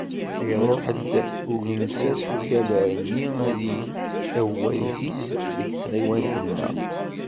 Iruḥ-d ugensas ukabar-nni ad yeg tawayt-is deg tɣiwant-nneɣ.